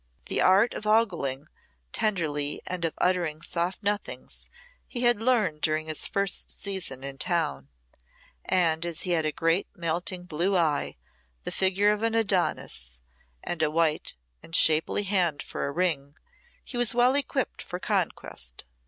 The art of ogling tenderly and of uttering soft nothings he had learned during his first season in town, and as he had a great melting blue eye, the figure of an Adonis, and a white and shapely hand for a ring, he was well equipped for conquest.